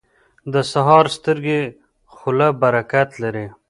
• د سهار ستړې خوله برکت لري.